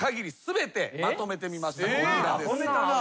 こちらです。